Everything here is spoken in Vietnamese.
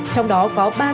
trong đó có ba dự án